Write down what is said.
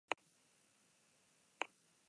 Extralurtarrak ez dira martzianoak soilik.